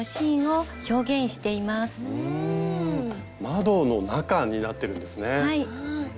窓の中になってるんですね。